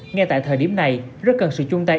ngay tại thời điểm này rất cần sự chung tay